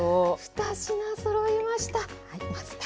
２品そろいました。